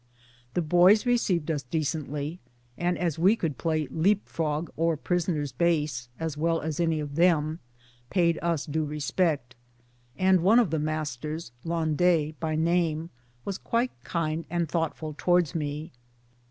The boys received us decently, and as we could play leap frog or prisoners' base (Les Barres) as well as any of them, paid us due respect ; and one of the masters, Llandais by name, was quite kind and thoughtful towards me.